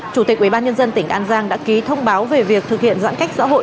chủ tịch ubnd tỉnh an giang đã ký thông báo về việc thực hiện giãn cách xã hội